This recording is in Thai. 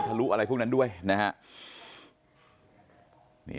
ลุอะไรพวกนั้นด้วยนะฮะ